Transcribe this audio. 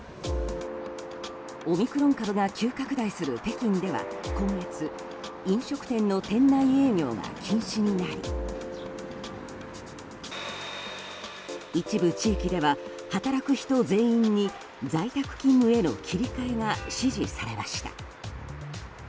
オミクロン株が急拡大する北京では、今月飲食店の店内営業が禁止になり一部地域では、働く人全員に在宅勤務への切り替えが指示されました。